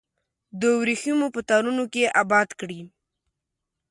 د وریښمو په تارونو کې اباد کړي